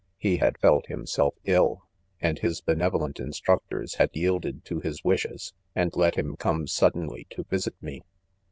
He had felt himself ill, and his benevolent instructors had yielded to his wishes, and let him come sud denly to visit me.